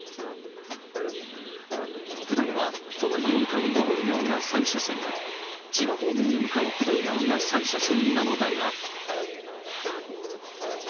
ふだんは都内へ向かう上り側が３車線、千葉方面へ向かう下りが３車線なのだが。